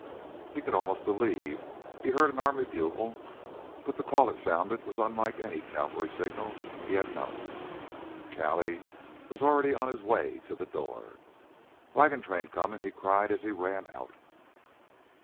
He could almost believe he heard an army bugle, but the call it sounded was unlike any cavalry signal he had known. Callie was already on his way to the door. "Wagon train's comin'!" he cried as he ran out.